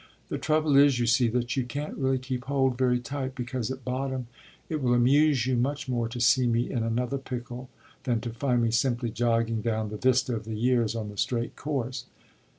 The trouble is, you see, that you can't really keep hold very tight, because at bottom it will amuse you much more to see me in another pickle than to find me simply jogging down the vista of the years on the straight course.